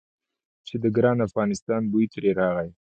چې د ګران افغانستان بوی ترې راغی.